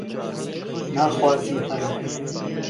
naxwazim herim